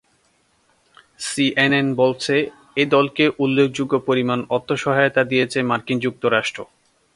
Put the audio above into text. CNN বলছে, এ দলকে উল্লেখযোগ্য পরিমাণ অর্থসহায়তা দিয়েছে মার্কিন যুক্তরাষ্ট্র ।